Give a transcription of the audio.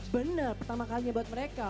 bener pertama kalinya buat mereka